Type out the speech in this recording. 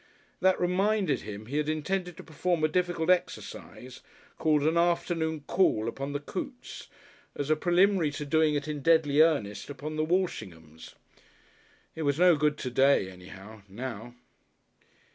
That reminded him he had intended to perform a difficult exercise called an Afternoon Call upon the Cootes, as a preliminary to doing it in deadly earnest upon the Walshinghams. It was no good to day, anyhow, now.